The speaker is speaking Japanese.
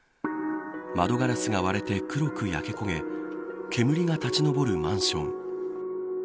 窓ガラスが割れて黒く焼けこげ煙が立ちのぼるマンション。